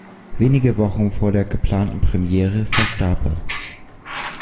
Wenige Wochen vor der geplanten Premiere verstarb er.